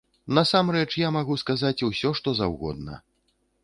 Насамрэч, я магу сказаць усё, што заўгодна.